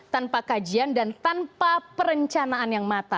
tanpa kajian dan tanpa perencanaan yang mata